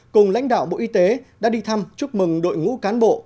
cùng lãnh đạo bộ y tế đã đi thăm chúc mừng đội ngũ cán bộ